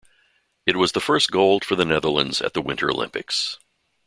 It was the first gold for the Netherlands at the Winter Olympics.